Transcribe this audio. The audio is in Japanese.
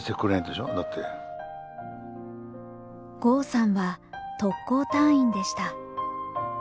呉さんは特攻隊員でした。